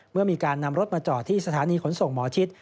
เมื่อมีการนำรถมาจอดที่สถานีขนส่งหมอชิด